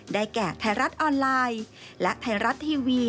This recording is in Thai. แก่ไทยรัฐออนไลน์และไทยรัฐทีวี